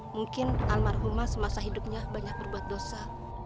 mungkin almarhumah semasa hidupnya banyak berbuat dosa